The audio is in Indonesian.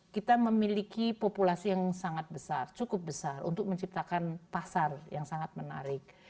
kita memiliki populasi yang sangat besar cukup besar untuk menciptakan pasar yang sangat menarik